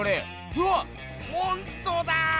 うわっほんとだ！